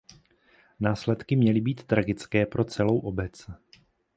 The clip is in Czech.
Následky měly být tragické pro celou obec.